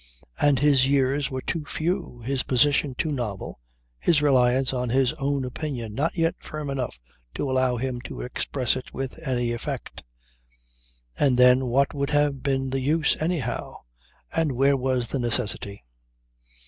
And his years were too few, his position too novel, his reliance on his own opinion not yet firm enough to allow him to express it with any effect. And then what would have been the use, anyhow and where was the necessity?